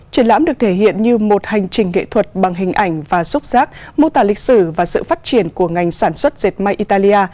triển lãm được thể hiện như một hành trình nghệ thuật bằng hình ảnh và xúc giác mô tả lịch sử và sự phát triển của ngành sản xuất dệt may italia